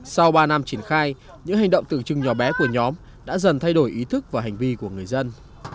sau ba năm triển khai những hành động tưởng chừng nhỏ bé của nhóm đã dần thay đổi ý thức và hành vi của người dân